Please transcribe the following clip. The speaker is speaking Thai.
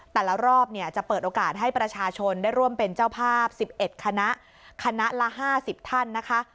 แต่ละรอบเนี่ยจะเปิดโอกาสให้ประชาชนได้ร่วมเป็นเจ้าภาพ๑๑คณะคณะละ๕๐ท่านนะคะ